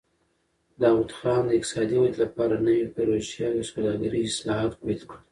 داوود خان د اقتصادي ودې لپاره نوې پروژې او د سوداګرۍ اصلاحات پیل کړل.